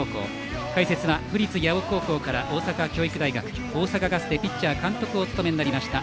解説は府立八尾高校から大阪教育大学大阪ガスでピッチャー監督を務めました